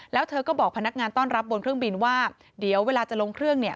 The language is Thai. แล้วเธอก็บอกพนักงานต้อนรับบนเครื่องบินว่าเดี๋ยวเวลาจะลงเครื่องเนี่ย